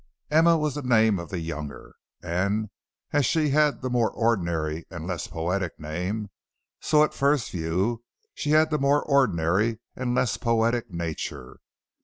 Emma was the name of the younger, and as she had the more ordinary and less poetic name, so at first view she had the more ordinary and less poetic nature.